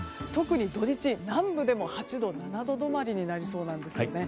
特に土日、南部でも８度７度止まりになりそうなんです。